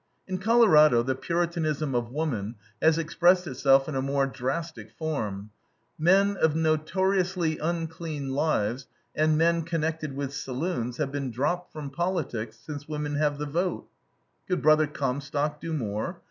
In Colorado, the Puritanism of woman has expressed itself in a more drastic form. "Men of notoriously unclean lives, and men connected with saloons, have been dropped from politics since women have the vote." Could brother Comstock do more?